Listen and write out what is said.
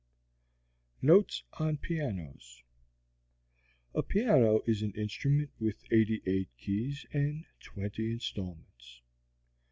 NOTES ON PIANOS A piano is an instrument with eighty eight keys and twenty installments.